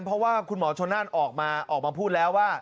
เพราะว่าคุณหมอชนนั่นออกมาออกมาพูดแล้วว่า